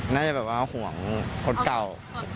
น่าจะแบบว่าห่วงคนเก่า